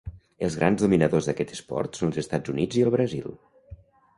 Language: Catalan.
Els grans dominadors d'aquest esport són els Estats Units i el Brasil.